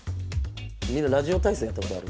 みんなラジオ体そうやったことある？